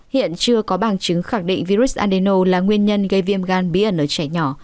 hiện chưa có bằng chứng khẳng định virus andeno là nguyên nhân gây viêm gan bí ẩn ở trẻ nhỏ